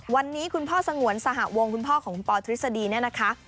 วันนี้คุณพ่อสงวนสหวงคุณพ่อของคุณปอทฤษฎีเนี่ยนะคะ